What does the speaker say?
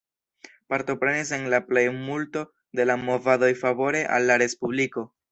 Partoprenis en la plej multo de la movadoj favore al la Respubliko.